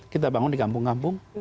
kita bangun di kampung kampung